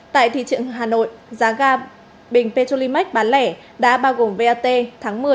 tại thị trường hà nội giá ga bình petrolimax bán lẻ đã bao gồm vat tháng một mươi